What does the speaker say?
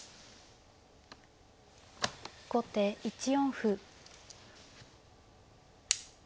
後手１四歩。